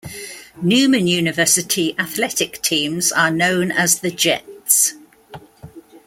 Newman University athletic teams are known as the Jets.